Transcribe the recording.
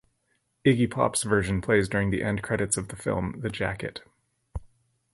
Iggy Pop's version plays during the end credits of the film "The Jacket".